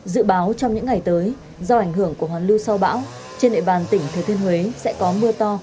dự báo trong những ngày tới do ảnh hưởng của hoàn lưu sau bão trên địa bàn tỉnh thừa thiên huế sẽ có mưa to